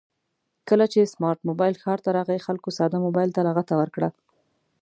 کله چې سمارټ مبایل ښار ته راغی خلکو ساده مبایل ته لغته ورکړه